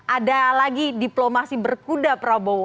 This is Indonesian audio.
ada lagi diplomasi berkuda prabowo